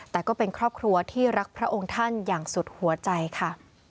แต่ก็เป็นครอบครัวที่รักพระองค์ท่านอย่างสุดหัวใจค่ะ